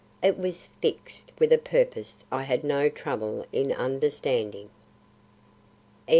It was fixed with a purpose I had no trouble in understanding. II.